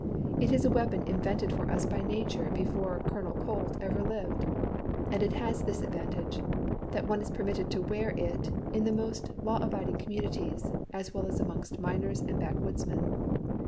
It is a weapon invented for us by Nature before Colonel Colt ever lived, and it has this advantage, that one is permitted to wear it in the most law abiding communities as well as amongst miners and backwoodsmen.